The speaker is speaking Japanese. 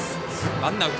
ワンアウト。